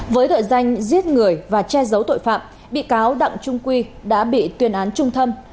với đội danh giết người và che giấu tội phạm bị cáo đặng trung quy đã bị tuyên án trung tâm